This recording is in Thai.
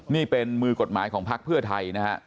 นี่เป็นมือกฎหมายของพักเพื่อไทยนะฮะ